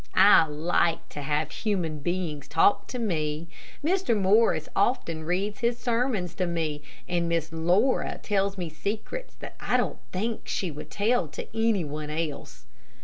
I like to have human beings talk to me. Mr. Morris often reads his sermons to me, and Miss Laura tells me secrets that I don't think she would tell to any one else.